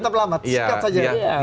tetap lama sikat saja